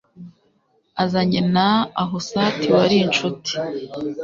azanye na Ahuzati wari incuti